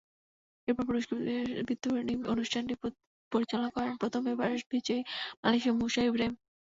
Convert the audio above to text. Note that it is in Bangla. এরপর পুরস্কার বিতরণী অনুষ্ঠানটি পরিচালনা করেন প্রথম এভারেস্ট বিজয়ী বাংলাদেশি মুসা ইব্রাহীম।